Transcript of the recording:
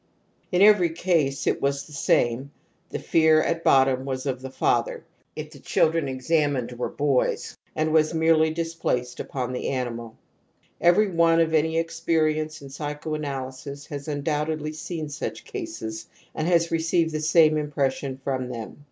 In every case it i was the same : th e fear at bot tom was father.J f the chu3fen examined were boys, ana / was merely displaced upon the animal. very one of any experience in psychoanaly sis has imdoubtedly seen such eases and has received the same impression from them.